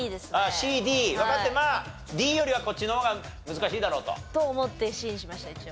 ＣＤわかってまあＤよりはこっちの方が難しいだろうと。と思ってＣにしました一応。